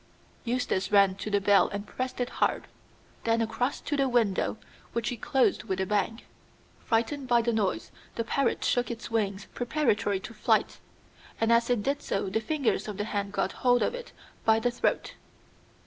Eustace ran to the bell and pressed it hard; then across to the window, which he closed with a bang. Frightened by the noise the parrot shook its wings preparatory to flight, and as it did so the fingers of the hand got hold of it by the throat.